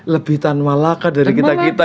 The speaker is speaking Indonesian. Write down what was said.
lebih tan malaka dari kita kita